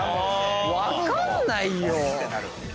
分かんないよ！